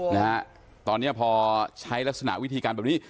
หรอตอนเนี้ยพอใช้ลักษณะวิธีการเงี่ย